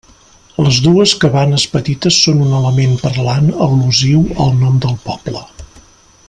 Les dues cabanes petites són un element parlant al·lusiu al nom del poble.